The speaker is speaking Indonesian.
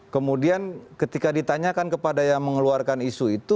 kemudian ketika ditanyakan kepada yang mengeluarkan isu itu